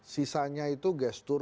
sisanya itu gestur